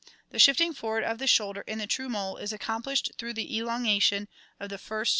The shifting forward of the shoulder in the true mole is accomplished through the elongation of the first sternal Fig.